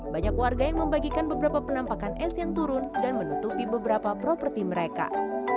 banyak warga yang membagikan beberapa penampakan es yang turun dan menutupi beberapa properti mereka